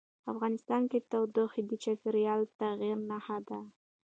افغانستان کې تودوخه د چاپېریال د تغیر نښه ده.